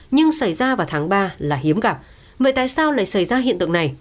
nhưng xảy ra vào tháng ba là hiếm gặp vậy tại sao lại xảy ra hiện tượng này